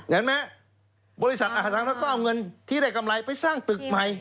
เห็นไหมบริษัทศาสน์อสังหาริมทรัพย์ก็เอาเงินที่ได้กำไรไปสร้างตึกใหม่